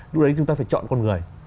lúc đấy chúng ta phải chọn con người